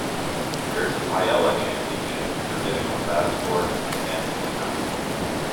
There is a paella championship, traditional Basque sports and dancing at night.